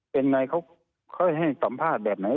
เป็นไงเขาค่อยให้สัมภาษณ์แบบไหน